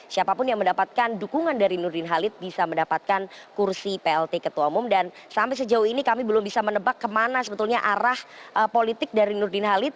siapapun yang mendapatkan dukungan dari nurdin halid bisa mendapatkan kursi plt ketua umum dan sampai sejauh ini kami belum bisa menebak kemana sebetulnya arah politik dari nurdin halid